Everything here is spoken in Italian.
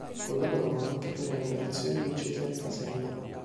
Collaborò anche per la liberazione di Cesare Casella.